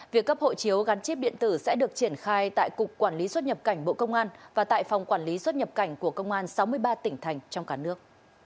việc cấp hộ chiếu gắn chip điện tử sẽ được triển khai tại cục quản lý xuất nhập cảnh bộ công an và tại phòng quản lý xuất nhập cảnh của công an sáu mươi ba tỉnh thành trong cả nước